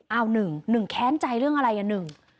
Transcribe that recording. เอาหนึ่งหนึ่งแค้นใจเรื่องอะไรอ่ะหนึ่ง